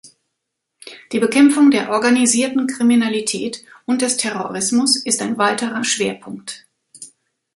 Die Bekämpfung der organisierten Kriminalität und des Terrorismus ist ein weiterer Schwerpunkt.